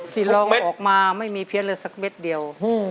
ที่ลองออกมาไม่มีเพี้ยนเลยสักเม็ดเดียว